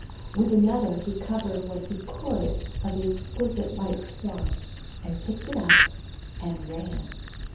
With another he covered what he could of the exquisite white form and picked it up and ran.